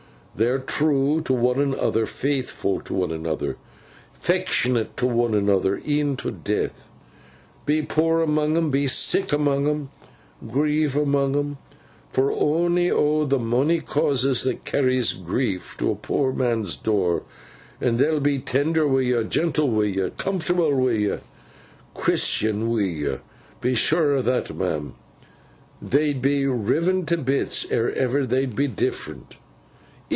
They're true to one another, faithfo' to one another, 'fectionate to one another, e'en to death. Be poor amoong 'em, be sick amoong 'em, grieve amoong 'em for onny o' th' monny causes that carries grief to the poor man's door, an' they'll be tender wi' yo, gentle wi' yo, comfortable wi' yo, Chrisen wi' yo. Be sure o' that, ma'am. They'd be riven to bits, ere ever they'd be different.